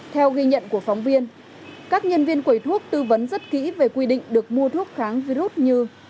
theo ghi nhận của phóng viên các nhân viên quầy thuốc tư vấn rất kỹ về quy định được mua thuốc kháng virus như